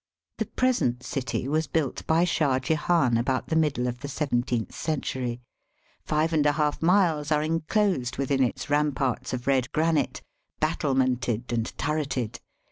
The present city was built by Shah Jehan about the middle of the seventeenth century. Mve and a half miles are enclosed within its ramparts of red granite, battlemented and turreted.